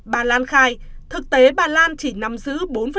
bà lan khai thực tế bà lan chỉ nắm giữ bốn